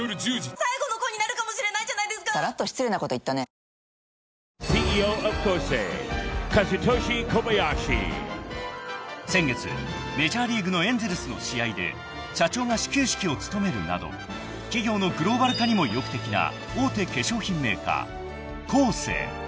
ＣＥＯＫＯＳＥＫａｚｕｔｏｓｈｉＫｏｂａｙａｓｈｉ．［先月メジャーリーグのエンゼルスの試合で社長が始球式を務めるなど企業のグローバル化にも意欲的な大手化粧品メーカーコーセー］